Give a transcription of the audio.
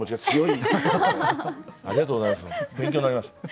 ありがとうございます。